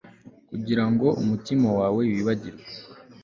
kugira ngo umutima wawe wibagirwe